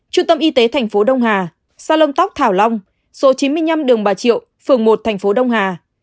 trung tâm y tế tp đông hà sa lông tóc thảo long số chín mươi năm đường bà triệu phường một tp đông hà